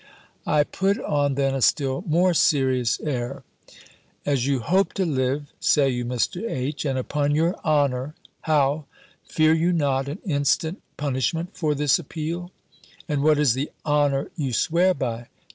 I put on then a still more serious air "As you hope to live, say you, Mr. H.! and upon your honour! How! fear you not an instant punishment for this appeal? And what is the honour you swear by?